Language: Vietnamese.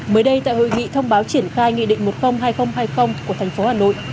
mới đây tại hội nghị thông báo triển khai nghị định một trăm linh hai nghìn hai mươi của thành phố hà nội